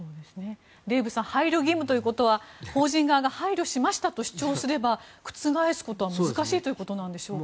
デーブさん配慮義務ということは法人側が配慮しましたと主張すれば覆すことは難しいということなんでしょうか。